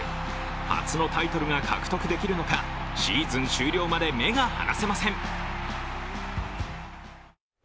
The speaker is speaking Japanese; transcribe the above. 初のタイトルが獲得できるのかシーズン終了まで目が離せません。